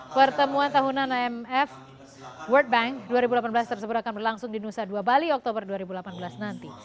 pertemuan tahunan imf world bank dua ribu delapan belas tersebut akan berlangsung di nusa dua bali oktober dua ribu delapan belas nanti